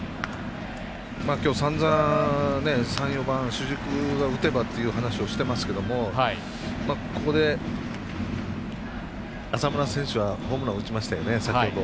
今日、さんざん３、４番主軸が打てばっていう話をしていますけどここで、浅村選手ホームラン打ちましたよね、先ほど。